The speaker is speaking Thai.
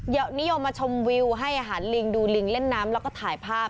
นิยมมาชมวิวให้อาหารลิงดูลิงเล่นน้ำแล้วก็ถ่ายภาพ